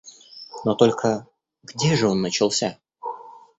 Но только где же он начался?